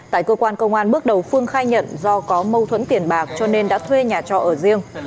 tại cơ quan công an bước đầu phương khai nhận do có mâu thuẫn tiền bạc cho nên đã thuê nhà trọ ở riêng